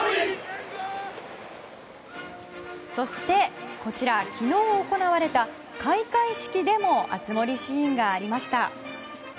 そして、こちら昨日行われた開会式でも熱盛シーンがありました。